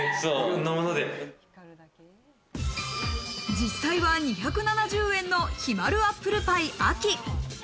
実際は２７０円の「陽まるアップルパイ・秋」。